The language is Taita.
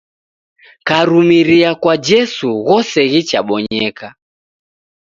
Karumiria kwa jesu ghose ghichabonyeka